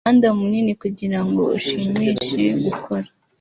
umuhanda munini kugirango ushimishe gukora